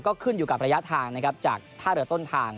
ก็ขึ้นอยู่กับระยะทางนะครับจากท่าเรือต้นทาง